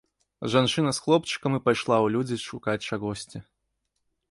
Жанчына з хлопчыкам і пайшла ў людзі шукаць чагосьці.